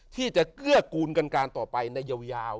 ที่จะเกลือกกูลกันตัวไปในยาว